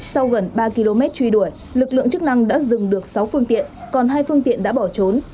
sau gần ba km truy đuổi lực lượng chức năng đã dừng được sáu phương tiện còn hai phương tiện đã bỏ trốn